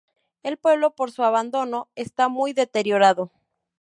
El pueblo, por su abandono está muy deteriorado.